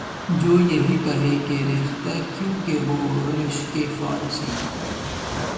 جو یہ کہے کہ ’’ ریختہ کیوں کہ ہو رشکِ فارسی؟‘‘